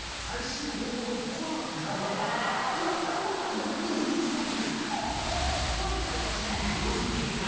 ホントに古きよき。